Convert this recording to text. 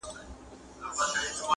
ورته ایښی د مغول د حلوا تال دی-